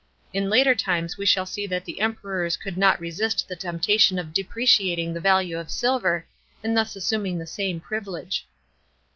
In later times we shall see that the Emperors could not resist the temptation of depreciating the value of silver and thus assuming the same privilege.